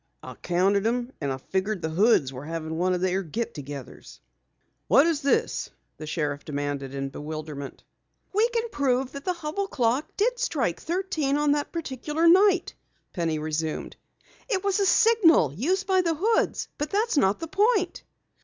"I counted them and figured the Hoods were having one of their get togethers." "What is this?" the sheriff demanded in bewilderment. "We can prove that the Hubell clock did strike thirteen on that particular night," Penny resumed. "It was a signal used by the Hoods, but that's not the point."